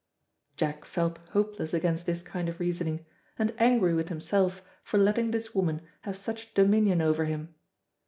Jack felt hopeless against this kind of reasoning, and angry with himself for letting this woman have such dominion over him.